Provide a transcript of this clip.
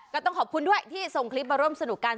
ก็ต้องขอบคุณด้วยที่ส่งคลิปมาร่วมสนุกกัน